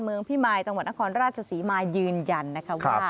เมืองพิมัลจังหวัดนครราชศาสีมายยืนยันว่า